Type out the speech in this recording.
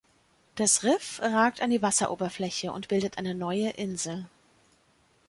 Das Riff ragt an die Wasseroberfläche und bildet eine neue Insel.